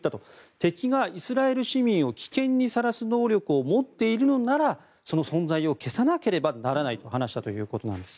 敵がイスラエル市民を危険にさらす能力を持っているのなら、その存在を消さなければならないと話したということです。